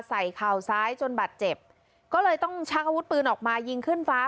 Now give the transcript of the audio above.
เข่าซ้ายจนบัตรเจ็บก็เลยต้องชักอาวุธปืนออกมายิงขึ้นฟ้า